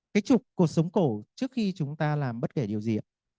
cái trục cột sống cổ trước khi chúng ta làm bất kể điều gì